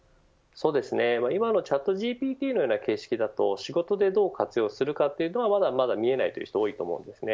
今のチャットＧＰＴのような形式だと仕事でどう活用するかはまだ見えない人も多いと思います。